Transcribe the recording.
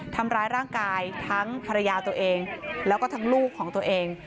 ทำร้ายร่างกายทั้งภรรยาตัวเองแล้วก็ทั้งลูกของตัวเอง